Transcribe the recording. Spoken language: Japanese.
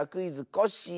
コッシー」